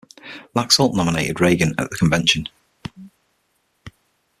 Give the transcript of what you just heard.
Laxalt nominated Reagan at the convention.